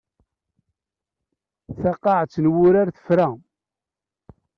Taqaɛet n wurar tefra.